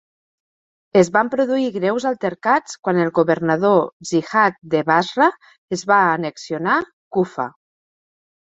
Es van produir greus altercats quan el governador Ziyad de Basra es va annexionar Kufa.